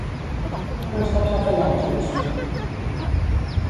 Quants cops ha fallat Johnson?